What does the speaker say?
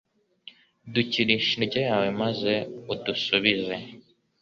dukirishe indyo yawe maze udusubize